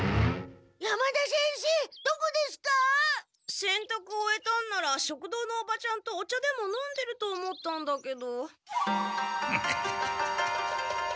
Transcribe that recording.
せんたく終えたんなら食堂のおばちゃんとお茶でも飲んでると思ったんだけど。